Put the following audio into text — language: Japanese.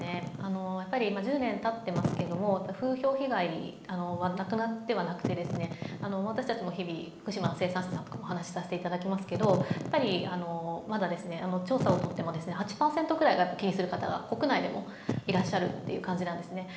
１０年たっていますけども、風評被害はなくなってはいなくて私たちも日々、福島の生産者さんともお話しさせていただきますけどまだ調査を取っても８％ぐらいが、気にする方が国内でもいらっしゃる感じなんですよね。